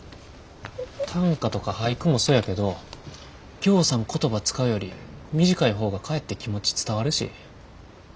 短歌とか俳句もそやけどぎょうさん言葉使うより短い方がかえって気持ち伝わるし。